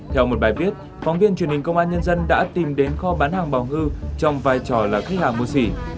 theo một bài viết phóng viên truyền hình công an nhân dân đã tìm đến kho bán hàng bào ngư trong vai trò là khách hàng mua xỉ